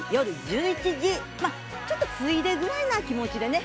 まあちょっとついでぐらいな気持ちでね